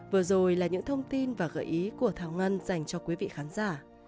vừa rồi là những thông tin và gợi ý của thảo ngân dành cho quý vị khán giả